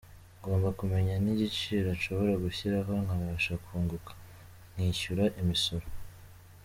Ngomba kumenya n’igiciro nshobora gushyiraho nkabasha kunguka, nkishyura imisoro,”.